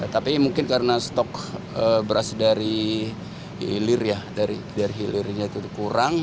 tapi mungkin karena stok beras dari hilirnya kurang